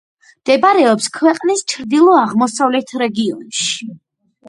მდებარეობს ქვეყნის ჩრდილო-აღმოსავლეთ რეგიონში.